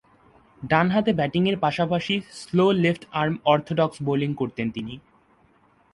ডানহাতে ব্যাটিংয়ের পাশাপাশি স্লো লেফট-আর্ম অর্থোডক্স বোলিং করতেন তিনি।